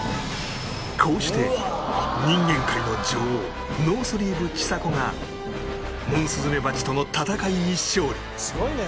こうして人間界の女王ノースリーブちさ子がモンスズメバチとの戦いに勝利